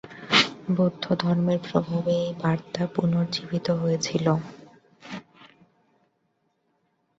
বৌদ্ধর্ধমের প্রভাবে এই বার্তা পুনর্জীবিত হয়েছিল।